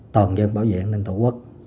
toàn dân bảo vệ an ninh tổ quốc